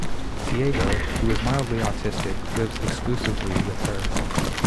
Tiago, who is mildly autistic, lives exclusively with her.